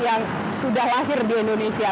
yang sudah lahir di indonesia